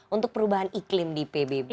untuk perubahan iklim di pbb